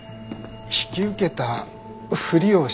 引き受けたふりをしました。